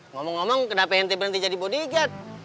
ngomong ngomong kenapa henti henti jadi bodyguard